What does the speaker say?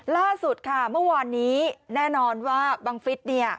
ล่าสุดค่ะเมื่อวานนี้แน่นอนว่าบังฟิศเนี่ย